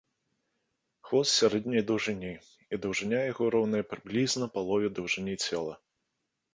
Хвост сярэдняй даўжыні, і даўжыня яго роўная прыблізна палове даўжыні цела.